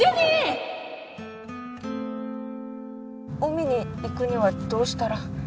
海に行くにはどうしたら。